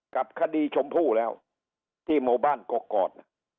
กับคดีชมพู่แล้วที่หมู่บ้านกอก